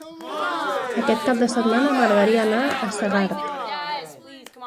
Aquest cap de setmana m'agradaria anar a Segart.